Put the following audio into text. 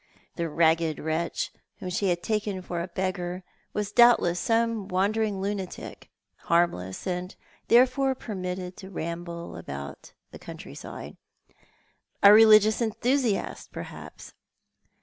The ragged wretch whom she liad taken for a beggar was doubtless some wandering lunatic, harmless, and therefore permitted to ramble about the countryside. A religious enthusiast, perhaps